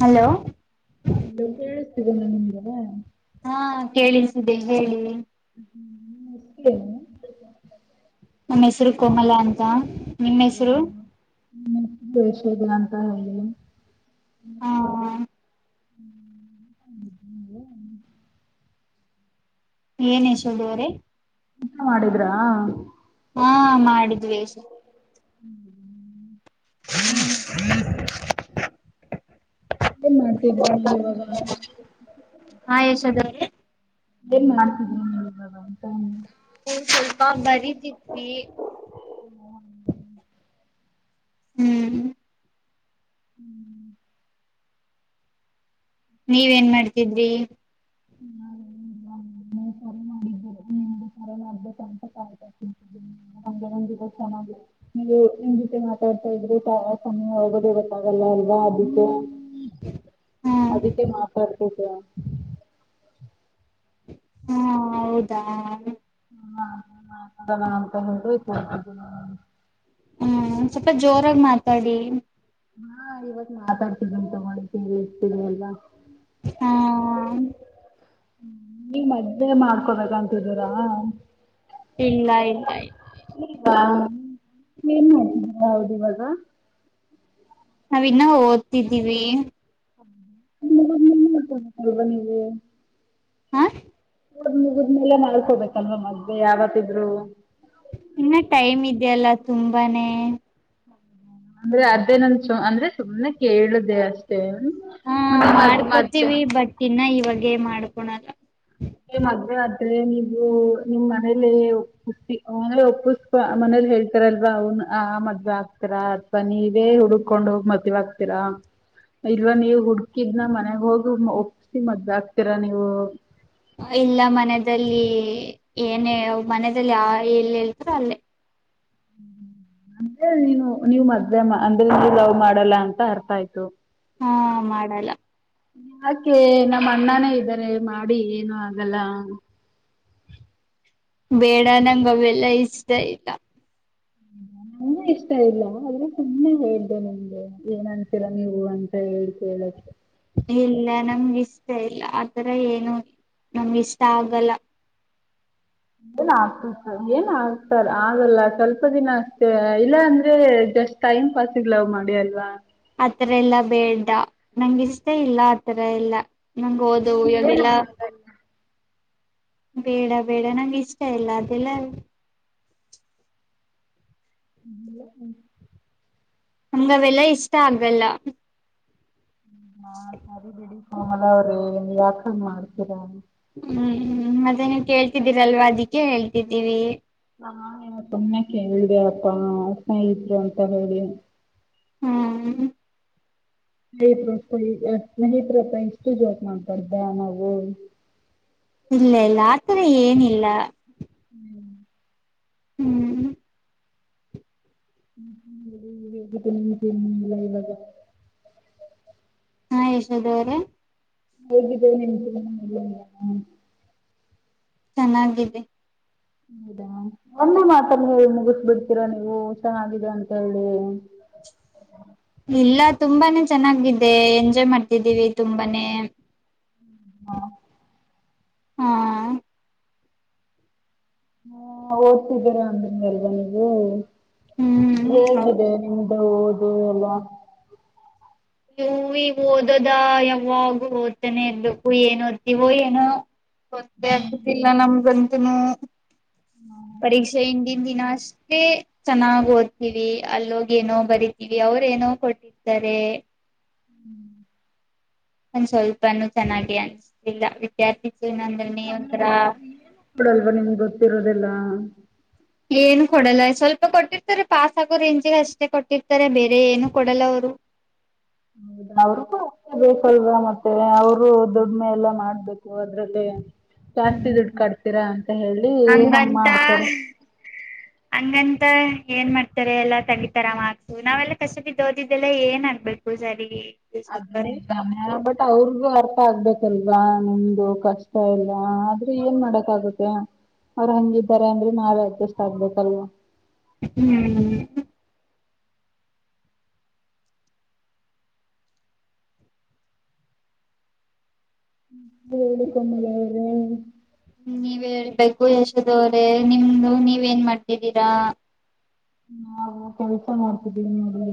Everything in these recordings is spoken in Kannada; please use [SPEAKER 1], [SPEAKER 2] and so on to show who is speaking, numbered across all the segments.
[SPEAKER 1] ಹಲೋ
[SPEAKER 2] ನಂತ ನಿಮ್ದಾವ
[SPEAKER 1] ಹಾ ಕೇಳಿಸದೆ ಹೇಳಿ
[SPEAKER 2] ಹ್ಮಷ್ಟನು [inaudible]
[SPEAKER 1] ನಮ್ಮ ಹೆಸರು ಕೋಮಲ ಅಂತ ನಿಮ್ಮ ಹೆಸರು
[SPEAKER 2] ಹ್ಮ ್ಮಷ ಗಂಂತ ಹ
[SPEAKER 1] ಹ ಏನ್ ಯಶೋಧ ಅವರೇ
[SPEAKER 2] ಎಂತ ಮಾಡಿದ್ರಾ
[SPEAKER 1] ಹಾ ಮಾಡಿ ದ್ವಷ್
[SPEAKER 2] ಹ್ಮ್
[SPEAKER 1] ಹ್ಮ ಹ್ಮ್ [inaudible]
[SPEAKER 2] ಏನ್ ಮಾಡ್ತಿದ್ರಿ ನೀವ ಇವಾಗ.
[SPEAKER 1] ಹಾ ಯಶೋದ ಅವರೇ
[SPEAKER 2] ಏನ್ ಮಾಡ್ತಿದಿ ನೀನ ಇವಾಗ ಅಂತ.
[SPEAKER 1] ಹ್ಮ ಸ್ವಲ್ಪ ಬರುತ್ತಿದ್ವಿ. ಹ್ಮ್.
[SPEAKER 2] ಹ್ಮ್.
[SPEAKER 1] ನೀವೇನ್ ಮಾಡ್ತಿದ್ರಿ.
[SPEAKER 2] [unintelligible] ನೀವು ಕರೆ ಮಾಡಿದ್ದೀರಿ [unintelligible] ನೀವು ನಿಮ್ಮ ಜೊತೆ ಮಾತಾಡ್ತಾ ಇದ್ರೆ ಸಮಯ ಹೋಗೋದೇ ಗೊತ್ತಾಗಲ್ಲ ಅಲ್ವಾ ಅದಕ್ಕೆ.
[SPEAKER 1] ಹ್ಮ್
[SPEAKER 2] ಅದಕ್ಕೆ ಮಾತ. [unintelligible]
[SPEAKER 1] ಹಾ ಹೌದಾ.
[SPEAKER 2] ಹಾ. ಆಗಲ್ಲ ಅಂತ ಹೇಳಿ. ಹ ಅದನು.
[SPEAKER 1] ಹ್ಮ್ ಸ್ವಲ್ಪ ಜೋರಾಗಿ ಮಾತಾಡಿ.
[SPEAKER 2] ಹಾ ಇವತ್ತ ಮಾತಾಡ್ತಿದ್ದೀನಿ ತೊಗೊಳ್ಳಿ ಫ್ರೀ ಇರ್ತೀರಿ ಅಲ್ವಾ.
[SPEAKER 1] ಹಾ.
[SPEAKER 2] ನೀವ್ ಮದ್ವೆ ಮಾಡ್ಕೊಬೇಕಂತಿದೀರಾ.
[SPEAKER 1] ಇಲ್ಲ ಇಲ್ಲ ಇಲ್ಲ ಇ
[SPEAKER 2] ಏನ್ ಮಾಡ್ತಿದ್ದೀರಾ ಹೌದು ಇವಾಗ.
[SPEAKER 1] ನಾವ್ ಇನ್ನ ಓದ್ತಿದ್ದೀವಿ.
[SPEAKER 2] [unintelligible] ಅಲ್ವಾ ನೀವು.
[SPEAKER 1] ಹಾ.
[SPEAKER 2] ಒದ ಮುಗಿದ್ಮೇಲೆ ಮಾಡ್ಕೋಬೇಕಲ್ವಾ ಮದ್ವೆ ಯಾವತ್ತಿದ್ರೂ.
[SPEAKER 1] ಇನ್ನ ಟೈಮ್ ಇದ್ಯಲ್ಲ. ತುಂಬಾನೇ.
[SPEAKER 2] ಅಂದ್ರೆ ಅದೇ ನನ್ ಚಾಯ್ ಅಂದ್ರೆ ಸುಮ್ನೆ ಕೇಳ್ದೆ ಅಷ್ಟೇ.
[SPEAKER 1] ಹಾ
[SPEAKER 2] ಮುಂದೆ ಮದ್ ಮದ್ವೆ
[SPEAKER 1] ಮಾಡ್ಕೋತೀವಿ ಬಟ್ ಇನ್ನ ಇವಗ್ ಗೆ ಮಾಡ್ಕೊಣಲ್ಲ.
[SPEAKER 2] ಅದೇ ಮದ್ವೆ ಆದ್ರೆ ನೀವು ನಿಮ್ಮ ಮನೆಯಲ್ಲಿ ಹುಟ್ಟಿ ಅಂದ್ರೆ ಒಪ್ಪಸತ್ತಾ ಮನೇಲಿ ಹೇಳ್ತಾರಲ್ವಾ ಅವ್ನ್ ಆ ಮದ್ವೆ ಆಗ್ಕ್ತಾರಾ ಅಥವಾ ನೀವೇ ಹುಡ್ಕೊಂಡು ಹೋಗಿ ಮದ್ವೆ ಆಗ್ತೀರಾ, ಇಲ್ವಾ ನೀವ್ ಹುಡ್ಕ್ ಇದ್ನ ಮನೆಗ್ ಹೋಗು ಓಪ್ ಸ್ಟಿ ಮದ್ವೆ ಆಗ್ತೀರಾ ನೀವು.
[SPEAKER 1] ಅ ಇಲ್ಲ ಮನೆದಲ್ಲಿ ಏನೇ ಮನೆದಲ್ಲಿ ಆ ಎಲ್ಲ ಹೇಳ್ತಾರೋ ಅಲ್ಲೇ.
[SPEAKER 2] ಹ ಅಂದ್ರೆ ನೀನು ನೀವು ಮದ್ವೆ ಅಂದ್ರೆ ನೀವ ಲವ್ ಮಾಡಲ್ಲ ಅಂತ ಅರ್ಥ ಆಯ್ತು.
[SPEAKER 1] ಹಾ ಮಾಡಲ್ಲ.
[SPEAKER 2] ಯಾಕೆ ನಮ್ಮ ಅಣ್ಣಾನೇ ಇದ್ದಾರೆ ಮಾಡಿ ಏನು ಆಗಲ್ಲ.
[SPEAKER 1] ಬೇಡ ನಂಗ ಅವೆಲ್ಲಾ ಇಷ್ಟ ಇಲ್ಲ.
[SPEAKER 2] ನನಗೂ ಇಷ್ಟ ಇಲ್ಲ ಆದ್ರೆ ಸುಮ್ಮನೆ ಹೇಳ್ದೆ ನಿಮ್ಗೆ ಏನ್ ಅನ್ತೀರ ನೀವು ಅಂತ ಹೇಳಿ ಕೇಳಕ್ಕೆ
[SPEAKER 1] ಇಲ್ಲ ನಮ್ಗ ಇಷ್ಟ ಇಲ್ಲ ಆತರ ಏನು ನಮ್ಗ ಇಷ್ಟ ಆಗಲ್ಲ.
[SPEAKER 2] ಏನ್ ಆಗತಿತ್ತ ಏನ್ ಆಗ್ತಾರ ಆಗಲ್ಲ ಸ್ವಲ್ಪ ದಿನ ಅಷ್ಟೇ ಇಲ್ಲ ಅಂದ್ರೆ ಜಸ್ಟ್ ಟೈಮ್ ಪಾಸ್ ಲವ್ ಮಾಡಿ ಅಲ್ವಾ.
[SPEAKER 1] ಆತರ ಎಲ್ಲಾ ಬೇಡ ನಂಗ ಇಷ್ಟ ಇಲ್ಲ ಆತರ ಎಲ್ಲಾ. ನಂಗ ಓದು
[SPEAKER 2] ಏನ್
[SPEAKER 1] ಇವಾಗೆಲ್ಲ.
[SPEAKER 2] ಆಗಲ್ಲ ಸರಿ
[SPEAKER 1] ಬೇಡ ಬೇಡ ನಂಗ್ ಇಷ್ಟ ಇಲ್ಲ ಅದೆಲ್ಲಾ.
[SPEAKER 2] ಹ್ಮಲ್ಲ ಹ್ಮ.
[SPEAKER 1] ನಂಗ್ ಅವೆಲ್ಲಾ ಇಷ್ಟ ಆಗಲ್ಲ.
[SPEAKER 2] ಹಾ ಸರಿ ಬಿಡಿ ಕಮಲ ಅವ್ರೆ. ಯಾಕಂಗ್ ಮಾಡ್ತೀರ.
[SPEAKER 1] ಹ್ಮ್ ಹ್ಮ್ ಮತ್ತೆ ನೀವ್ ಕೇಳ್ತಿದ್ದೀರಲ್ವ ಅದಿಕ್ಕೆೇ ಹೇಳ್ತಿದ್ದೀವಿ.
[SPEAKER 2] ಹಾ ನಿನ್ ಸುಮ್ನೆಕ್ಕೆ ಹೇಳಿದೆ ಅಪ್ಪಾ ಅಪ್ಪ ಇದ್ರು ಅಂತ ಹೇಳಿ.
[SPEAKER 1] ಹ್ಮ್.
[SPEAKER 2] ಸ್ನೇಹಿತರು [unintelligible] ಸ್ನೇಹತ್ಪ್ಪ ಇಷ್ಟು ಜೋಕ್ ಮಾಡ್ಬಾರ್ದ ನಾವು.
[SPEAKER 1] ಇಲ್ಲ ಇಲ್ಲ ಆತರ ಏನಿಲ್ಲ.
[SPEAKER 2] ಹ್ಮ್.
[SPEAKER 1] ಹ್ಮ್.
[SPEAKER 2] [inaudible]
[SPEAKER 1] ಹಾ ಯಶೋದವ್ರೆ.
[SPEAKER 2] ಹೇಗಿದ್ದೇ. [inaudible]
[SPEAKER 1] ಚೆನ್ನಿದ್ದಿದ್ದಿ.
[SPEAKER 2] ಹೌದಾ ಒಮ್ಮೆ ಮಾತಲ್ಲಿ ಮುಗಿಸ ಬಿಡ್ತೀರಾ ನೀವು ಚೆನ್ನಾಗಿದೆ ಅಂತ ಹೇಳಿ.
[SPEAKER 1] ಇಲ್ಲ ತುಂಬಾನೇ ಚೆನ್ನಾಗಿದೆ ಎಂಜಾಯ್ ಮಾಡ್ತಿದ್ದೀವಿ ತುಂಬಾನೇ. ಹ್ಮ.
[SPEAKER 2] ಹಾ ಓದತಿದ್ದೀರ ಅಂದನ್ ಎಲ್ದ ನೀವು.
[SPEAKER 1] ಹ್ಮ್
[SPEAKER 2] ಹೇಗಿದೆ ನಿಮ್. ಹಓದು ಎಲ್ಲ.
[SPEAKER 1] ನೀವು ಈಗ್ ಓದದ ಯಾವಾಗ ಓದ್ತಾನೆ ಇರ್ಬೇಕು ಏನ ಓದ್ತಿೀವೋ ಏನೋ. ಗೊತ್ತೆ ಆಗ್ತಿದಿಲ್ಲ ನಮ್ಗ್ ಅ ತನೂ ಪರೀಕ್ಷೆ ಹಿಂದಿನ ದಿನ ಅಷ್ಟೇ ಚೆನ್ನಾಗ್ ಓದ್ತೀವಿ ಅಲ್ಲೋಗ್ ಏನೋ ಬರಿತೀವಿ ಅವ್ರ್ ಏನೋ ಕೊಟ್ಟಿರ್ ತರೆ
[SPEAKER 2] ಹ್ಮ್.
[SPEAKER 1] ಒಂದ ಸ್ವಲ್ಪನುೂ ಚೆನ್ನಾಗಿ ಅನ್ಸಲಿಲ್ಲ ವಿದ್ಯಾರ್ಥಿ. ಜೀವನ ಅಂದ್ರನೇ
[SPEAKER 2] [unintelligible]
[SPEAKER 1] ಒಂಥರಾ
[SPEAKER 2] ಏಡಲ್ವಾ ನಿಮ್ಗೆ ಗೊತ್ತಿರೋದೆಲ್ಲಾ.
[SPEAKER 1] ಏನು ಕೊಡಲ್ಲ ಸ್ವಲ್ಪ ಕೊಟ್ಟಿರ್ತಾರೆ. ಪಾಸ್ ಆಗೋ ರೇಂಜಿಿಗೆ ಅಷ್ಟೇ ಕೊಟ್ಟಿರ್ತಾರೆ ಬೇರೆ ಏನು ಕೊಡಲ್ಲ ಅವರು.
[SPEAKER 2] ಹೌದ ಅವ್ರ ಕೂ ಅ ಬೇಕಲ್ವಾ ಮತ್ತೆ ಅವರು ದುಡ್ಮೆ ಎಲ್ಲ ಮಾಡ್ಬೇಕು ಅದ್ರಲ್ಲಿ. ಜಾಸ್ತಿ ದುಡ್
[SPEAKER 1] ಹ್ಮ್
[SPEAKER 2] ಕಡ್ತೀರಾ ಅಂತ ಹೇಳಿ ಹಂಗ
[SPEAKER 1] ಹಂಗಂತ
[SPEAKER 2] ಮಾಡ್ತಾರ.
[SPEAKER 1] ಂತ ಏನ್ ಮಾಡ್ತಾರೆ ಎಲ್ಲಾ ತಗಿಿತಾರ್ ಮಾರ್ಕ್ಸ್ ನಾವೆಲ್ಲ ಕಷ್ಟದಿದ್ದ ಓದಿದ್ದೆಲ್ಲ ಏನ್ ಆಗ್ಬೇಕು ಸರಿ.
[SPEAKER 2] ಅದ
[SPEAKER 1] ಯಶೋದವ್ರೆ.
[SPEAKER 2] ನಿಜನೆ ಬಟ್ ಅವ್ರಗು ಅರ್ಥ. ಅರ್ಥ ಆಗ್ಬೇಕಲ್ವಾ ನಿಮ್ದು ಕಷ್ಟ ಎಲ್ಲ ಆದ್ರೂ ಏನ್ ಮಾಡಕ್ ಆಗುತ್ತೆ. ಅವ್ರ ಹಂಗಿದಾರೆ ಅಂದ್ರೆ ನಾವೆ ಅಡ್ಜಸ್ಟ್ ಆಗ್ಬೇಕಲ್ವಾ.
[SPEAKER 1] ಹ್ಮ್.
[SPEAKER 2] [unintelligible]
[SPEAKER 1] ನೀವ್ ಹೇಳ್ಬೇಕು ಯಶೋದವ್ರೆ ನಿಮ್ದು ನೀವ ಎನ್ ಮಾಡ್ತಿದ್ದೀರಾ.
[SPEAKER 2] ಹಾ ಕೆಲ್ಸ ಮಾಡ್ತಿದ್ದೀಿ ನೋಡ್ರಿ.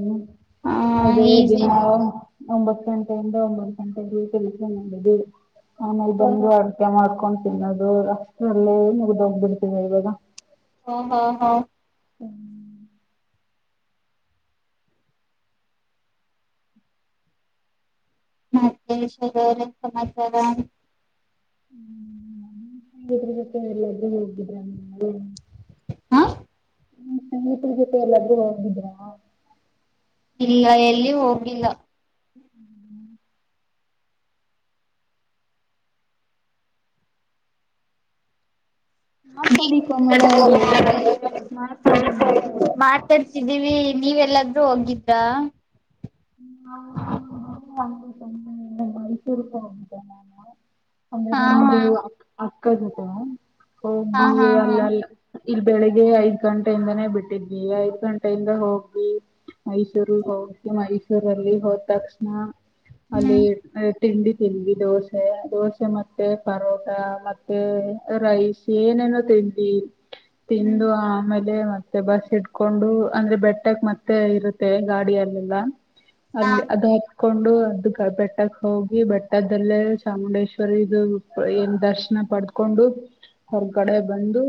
[SPEAKER 1] ಹ
[SPEAKER 2] ಅದೇ
[SPEAKER 1] ಈಸಿ
[SPEAKER 2] ದಿನಾವು. ಒಂಬತ್ತು ಗಂಟೆಯಿಂದ ಒಂಬತ್ತು ಗಂಟೆಗೆ ಕೆಲಸ ಮುಗ್ದಿ. ಆಮೇಲೆ
[SPEAKER 1] ಓ
[SPEAKER 2] ಬಂದು ಅಡಗೆ ಮಾಡ್ಕೊಂಡ. [unintelligible] [inaudible]
[SPEAKER 1] ಹ್ಮ ಹಾ ಹಾ
[SPEAKER 2] ಹ್ಮ್
[SPEAKER 1] ಮತ್ತೆ ಏನ್ರೀ ಸಮಾಚಾರ
[SPEAKER 2] ಹ್ಮೊ ಎಲ್ಲ್ದ ಹೋಗಿದ್ದ [unintelligible]
[SPEAKER 1] ಹಾಂ
[SPEAKER 2] ನೀವು ಸಂಗೀತ ಜೊತೆ ಎಲ್ಲಾದ್ರು ಹೋಗಿದ್ದೀರ
[SPEAKER 1] ಇಲ್ಲ ಎಲ್ಲಿ ಹೋಗಿಲ್ಲ
[SPEAKER 2] ಹ್ಮ್ ಮಾತಾಡಿ
[SPEAKER 1] ನೀವು
[SPEAKER 2] ಕಮಲ ಅವ್ರೇ
[SPEAKER 1] ಎಲ್ಲಾದ್ರೂ
[SPEAKER 2] ಮಾತಾಡಿ
[SPEAKER 1] ಮಾತಾಡ್ತಿದ್ದೀವಿ ನೀವೆಲ್ಲಾದ್ರೂ ಹೋಗಿದ್ರಾ
[SPEAKER 2] [inaudible] ಮೈಸೂರಿಗೆ ಹೋಗಿದ್ದೆ ನಾನು ಅಂದ್ರೆ
[SPEAKER 1] ಹಾ ಹಾ
[SPEAKER 2] ನಮ್ದು [unintelligible]
[SPEAKER 1] ಹಾ
[SPEAKER 2] ಹೋಗಿ
[SPEAKER 1] ಹಾ ಹಾ
[SPEAKER 2] ಅಲ್ಲಲ್ಲ ಇಲ್ಲಿ ಬೆಳಿಗ್ಗೆ ಐದ್ ಗಂಟೆಯಿಂದಾನೇ ಬಿಟ್ಟಿದ್ವಿ ಐದ್ ಗಂಟೆಯಿಂದ ಹೋಗಿ ಮೈಸೂರಿಗೆ ಹೋಗಿ ಮೈ ಮೈಸೂರಲ್ಲಿ ಹೋದ ತಕ್ಷಣ ಅದೇ
[SPEAKER 1] ಹ್ಮ್
[SPEAKER 2] [inaudible] ತಿಂಡಿ ತಿಂದ್ವಿ ದೋಸೆ ದೋಸೆ ಮತ್ತೆ ಪರೋಟಾ ಮತ್ತೆ ರೈಸ್ ಏನೇನೋ ತಿಂಡಿ
[SPEAKER 1] ಹ್ಮ್
[SPEAKER 2] ತಿಂದು ಆಮೇಲೆ ಮ ಮತ್ತೆ ಬಸ್ ಇಡ್ಕೊಂಡು ಅಂದ್ರೆ ಬೆಟ್ಟಕ್ ಮತ್ತೆ ಇರುತ್ತೆ ಗಾಡಿಯಲೆಲ್ಲ
[SPEAKER 1] ಹಾ
[SPEAKER 2] ಅಲ್ಲಿ ಅದೇ ಕೊಂಡು ಅದು ಬೆಟ್ಟಕ್ಕೆ ಹೋಗಿ ಬೆಟ್ಟದಲ್ಲೇ ಚಾಮುಂಡೇಶ್ವರಿ ಇದು ಏನ್ ದರ್ಶನ ಪಡೆದುಕೊಂಡು ಹೊರಗಡೆ ಬಂದು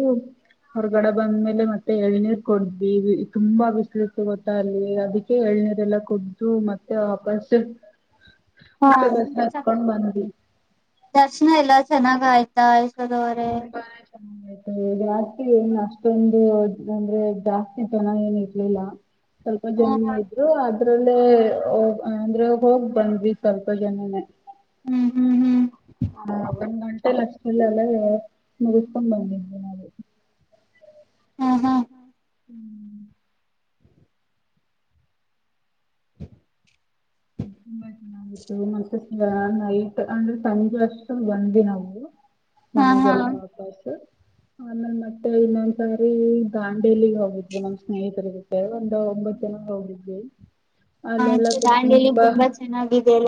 [SPEAKER 2] ಹೊರಗಡೆ ಬಂದ್ಮೇಲೆ ಮತ್ತೆ ಎಳ್ನೀರ್ ಕೂಡುದ್ವಿ ತುಂಬಾ ಬಿಸ್ಲು ಇತ್ತು ಗೊತ್ತಾ ಅಲ್ಲಿ ಅದಕ್ಕೆ ಎಳ್ನೀರ್ ಎಲ್ಲ ಕೊಡ ದು ಮತ್ತೆ ವಾಪಸ್
[SPEAKER 1] ಹಾ
[SPEAKER 2] ಮತ್ತೆ ಬಸ್ ಹತ್ಕೊಂಡ್ ಬಂದ್ವಿ
[SPEAKER 1] ದರ್ಶನ ಎಲ್ಲಾ ಚೆನ್ನಾಗ ಆಯ್ತಾ ಯಶೋದವರೇ
[SPEAKER 2] ತುಂಬಾನೇ ಚೆ ಆಯ್ತ ಜಾಸ್ತಿ ಏನ್ ಅಷ್ಟೊಂದು ಅಂದ್ರೆ ಜಾಸ್ತಿ ಜನ ಏನ್ ಇರ್ಲಿಲ್ಲ ಸ್ವಲ್ಪ ಜನನೆ
[SPEAKER 1] ಹ್ಮ್
[SPEAKER 2] ಇದ್ರು ಆದ್ರ ಅಲ್ಲೇ ಹೂಂ ಅಂದ್ರೆ ಹೋಗ್ ಬಂದ್ವಿ ಸ್ವಲ್ಪ ಜನನೇ
[SPEAKER 1] ಹ್ಮ್ ಹ್ಮ್ ಹ್ಮ್
[SPEAKER 2] ಹ ಒಂದು ಗಂಟೆ ಲಷ್ಟಲ್ಲಿ ಅಲೆ ಮುಗಿಸಿಕೊಂಡು ಬಂದಿದ್ವಿ ನಾವು
[SPEAKER 1] ಹಾ ಹಾ ಹಾ
[SPEAKER 2] ತುಂಬಾ ಚೆನ್ನಾಗಿತ್ತು ಮತ್ತೆ ಹಾ ನೈಟ್ ಅಂದ್ರೆ ಸಂಜೆ ಅಷ್ಟರಲ್ಲಿ ಬಂದ್ವಿ ನಾವು
[SPEAKER 1] ಹಾ
[SPEAKER 2] ಮನೆಗೆಲ್ಲ ವಾಪಾಸ್ ಆಮೇಲೆ ಮತ್ತೆ ಇನ್ನೊಂದ್ಸಾರಿ ದಾಂಡೇಲಿಗೆ ಹೋಗಿದ್ವಿ ನಮ್ ಸ್ನೇಹಿತರ ಜೊತೆ ನಾವ್ ಒಂಬತ್ತು ಜನ ಹೋಗಿದ್ವಿ ಅಲ್ ಎಲ್ಲ
[SPEAKER 1] ಮನೆಲಿ ತುಂಬಾ ಚೆನ್ನಾಗಿದ್ಯಲ್ಲ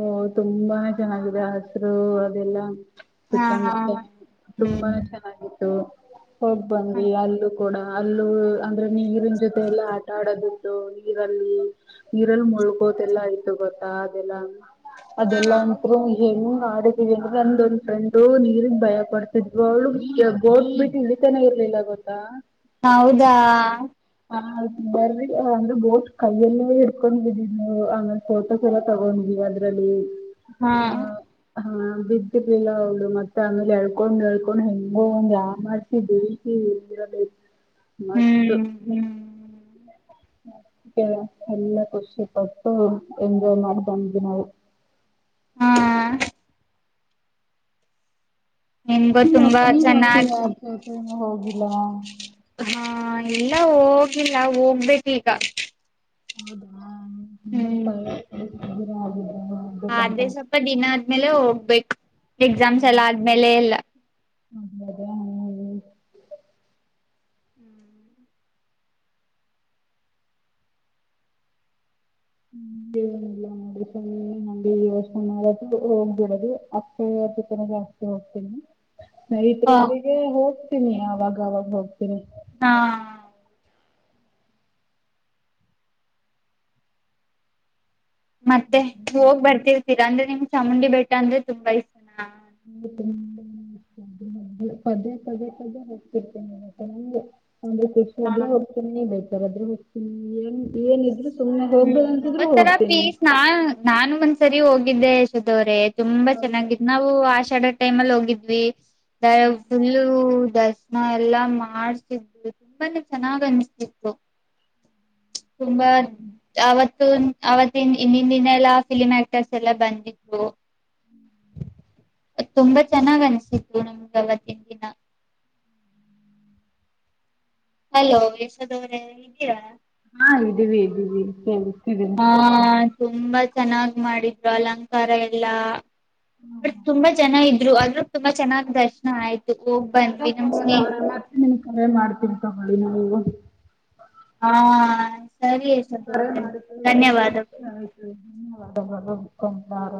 [SPEAKER 2] ಓ ತುಂಬಾನೇ ಚೆನ್ನಾಗಿದೆ ಹಸರು ಅದೆಲ್ಲಾ
[SPEAKER 1] ಹಾ ಹಾ
[SPEAKER 2] ಸುತ್ತಮುತ್ತ ತುಂಬಾ
[SPEAKER 1] ಹ್ಮ್
[SPEAKER 2] ಚೆನ್ನಾಗಿತ್ತು ಹೋಗ್ ಬಂದ್ವಿ ಅಲ್ಲು ಕೂಡ ಅಲ್ಲೂ ಅಂದ್ರೆ ನೀರಿನ್ ಜೊತೆ ಎಲ್ಲಾ ಆಟ ಆಡೋದಿತ್ತು ನೀರಲ್ಲಿ ನೀರಲ್ಲಿ ಮುಳ್ಗೋದೆಲ್ಲಾ ಆಯ್ತು ಗೊತ್ತಾ ಅದೆಲ್ಲಾ ಅದೆಲ್ಲಾ ಅಂತ್ರು ಹೆಂಗ್ ಮಾಡಿದೀವಿಲ್ಲಂದ ಒಂದ್ ಫ್ರೆಂಡು ನೀರ್ಗ್ ಭಯ ಕೊಡ್ತಿದ್ ಅವಳು ಬೋಟ್ ಬಿಟ್ಟು ಇಳಿತಾನೇ ಇರ್ಲಿಲ್ಲ ಗೊತ್ತಾ
[SPEAKER 1] ಹೌದಾ
[SPEAKER 2] ಹ ಆಯ್ತ ಬರ ಅಂದ್ರೆ ಬೋಟ್ ಕೈಯಲ್ಲ ಹಿಡ್ಕೊಂಡ್ ಬಿದ್ದಿದವು ಆಮೇಲೆ ಫೋಟೋಸ್ ಎಲ್ಲ ತಗೊಂಡಿದೀವಿ ಅದ್ರಲ್ಲಿ
[SPEAKER 1] ಹಾ
[SPEAKER 2] ಹಾ ಬಿದ್ದಿರ್ಲಿಲ್ಲ ಅವಳು ಮತ್ತೆ ಆಮೇಲೆ ಎಳ್ಕೊಂಡ್ ಎಳ್ಕೊಂಡ್ ಹೆಂಗೋ ಒಂದ್ ಆಮಸಿ ಬೇಯಿಸಿ ಇಲ್ದಿರಬೇಕು ಮಸ್ತು
[SPEAKER 1] ಹ್ಮ್ ಹ್ಮ್
[SPEAKER 2] ಎಲ್ಲ ಖುಷಿ ಕೊಟ್ಟು ಎಂಜಾಯ್ ಮಾಡ್ ಬಂದ ನಾವು
[SPEAKER 1] ಹಾ ನಿಮ್ಗೂ
[SPEAKER 2] ನೀ ಯಾಕ್
[SPEAKER 1] ತುಂಬಾ
[SPEAKER 2] ನೀ ಯಾಕೆ
[SPEAKER 1] ಚೆನ್ನಾಗಿ
[SPEAKER 2] ಯಾರ್ ಜೊತೆನೂ ಹೋಗಿಲ್ಲ
[SPEAKER 1] ಎಲ್ಲ ಹೋಗಿಲ್ಲ ಹೋಗ್ಬೇಕು ಈಗ
[SPEAKER 2] ಹೌದಾ ಹಾ ಇನ್ಮೇಲ್
[SPEAKER 1] ಹ್ಮ್
[SPEAKER 2] [unintelligible] ಗಿರಾಗಿ
[SPEAKER 1] ಅದೇ ಸ್ವಲ್ಪ ದಿನ ಆದ್ಮೇಲೆ ಹೋಗ್ ಬೇಕ್ ಎಕ್ಸಾಮ್ಸ್ ಎಲ್ಲ ಆದ್ಮೇಲೆ ಎಲ್
[SPEAKER 2] ಅದ ಅದ ಹ
[SPEAKER 1] [inaudible]
[SPEAKER 2] ಹ ಎನಿಲ್ಲ ನೋ ಯೋಚ್ನೆ ಮಾಡದು ಹೋಗ್ಬಿಡದು ಅಕ್ಕ ತರ ಜಾಸ್ತಿ ಹೋಗ್ತೇನಿ
[SPEAKER 1] ಹ
[SPEAKER 2] ನೈಟ್ರೊಂದಿಗೆ ಹೋಗ್ ಹತೀನಿ ಆ ಅವಾಗವಾಗ ಹೋಗ್ತೀನಿ
[SPEAKER 1] ಹಾ ಮತ್ತೆ ಹೋಗ್ ಬರ್ತಿರ್ತೀರಾ ಅಂದ್ರೆ ನಿಮ್ ಚಾಮುಂಡಿ ಬೆಟ್ಟ ಅಂದ್ರೆ ತುಂಬಾ ಇಷ್ಟನಾ
[SPEAKER 2] ತುಂಬತ [unintelligible] ಪದೇ ಪದೇ ಪದೇ ಹೋಗ್ತಿರ್ತೇನೆ ಅಂದ್ರೆ ಖುಷಿಯಲ್ಲೆ ಹೋಗ್ತಿನ್ ನಿ ಬೇಕ್ ದಾರದ್ರೆ
[SPEAKER 1] ಹ್ಮ್
[SPEAKER 2] ಹೋಗ್ಬೇಕನ್ಸಿದ್ರು
[SPEAKER 1] ಒಥರ
[SPEAKER 2] ಹೋಗ್ತೀನಿ
[SPEAKER 1] ಪೀಸ್ ನಾ ನಾಾನು ಒಂದ ಸರಿ ಹೋಗಿದ್ದೆ ಯಶದವ್ರ ತುಂಬಾ ಚೆನ್ನಾಗಿದ್ ನಾವು ಆಷಾಡ ಟೈಮಲ್ಲಿ ಹೋಗಿದ್ವಿ [inaudible] [unintelligible] ನಾ ಎಲ್ಲಾ ಮಾಡ್ಸಿದ್ದು ತುಂಬಾನೇ ಚೆನ್ನಾಗ್ ಅನ್ಸ್ತಿತ್ತು ತುಂಬಾ ಅವತ್ತು ಅವತ್ತಿನ ಇಂದಿನ ದಿನ ಎಲ್ಲಾ ಫಿಲಿಮ್ ಆಕ್ಟರ್ಸ್ ಎಲ್ಲ ಬಂದಿದ್ರು ತುಂಬಾ ಚೆನ್ನಾಗ್ ಅನ್ಸಿದತ್ತು ನಮ್ಗೆ ಅವತ್ತಿನ ದಿನ ಅಲೋ ಯಶದವ್ರೇ ಇದ್ದೀರಾ
[SPEAKER 2] ಹಾ ಇದ್ದೀವಿ ಇದ್ದೀವಿ ಹೇಳಿ
[SPEAKER 1] ಹ್ಮ ತುಂಬಾ ಚೆನ್ನಾಗ್ ಮಾಡಿದ್ರು ಅಲಂಕಾರ ಎಲ್ಲಾ. ಬಟ್ ತುಂಬಾ ಜನ ಇದ. ಇದ್ರು ಆದ್ರೂ ತುಂಬಾ ಚೆನ್ನ್ ದರ್ಶನ ಆಯ್ತು. ಹೋಗ್
[SPEAKER 2] ಅದ
[SPEAKER 1] ಬಂದ್ವಿ ನಮ್ ಸ್ನೇಹ
[SPEAKER 2] ಅವ್ರ ಮತ್ತೆ ನಿನ ಕರೆ ಮತ್ತೆ ತಗೊಳ್ಳಳಿ ನ
[SPEAKER 1] ಹಾ ಸರಿ ಯಶೋದ ಅವರೇ ಧನ್ಯವಾದಗಳು.
[SPEAKER 2] [unintelligible] [unintelligible] [unintelligible] ಮುಖಂದಾರ